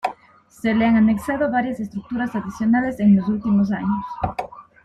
Se le han anexado varias estructuras adicionales en los últimos años.